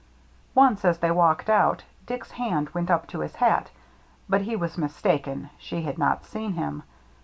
Once, as they walked out, Dick's hand went up to his hat ; but he was mistaken, she had not seen him.